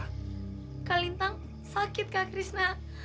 kak lintang sakit kak krisna